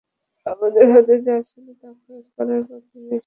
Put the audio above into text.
আমাদের হাতে যা ছিল তা খরচ করার পর তুমি এসেছে।